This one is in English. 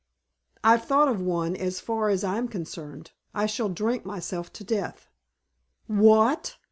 "I've thought of one as far as I am concerned. I shall drink myself to death." "What?"